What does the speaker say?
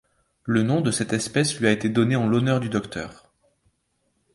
Le nom de cette espèce lui a été donné en l'honneur du Dr.